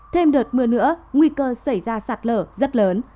thêm đợt mưa nữa nguy cơ xảy ra sạt lở rất lớn